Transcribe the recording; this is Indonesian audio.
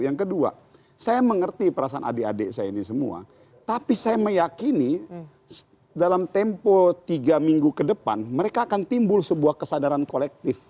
yang kedua saya mengerti perasaan adik adik saya ini semua tapi saya meyakini dalam tempo tiga minggu ke depan mereka akan timbul sebuah kesadaran kolektif